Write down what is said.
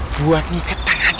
aduh aduh aduh aduh